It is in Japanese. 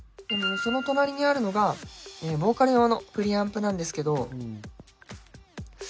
その隣にあるのがボーカル用のプリアンプなんですけど。